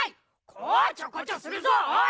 こちょこちょするぞおい！